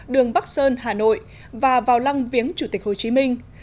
đường bắc sơn hà nội và vào lăng viếng chủ tịch hồ chí minh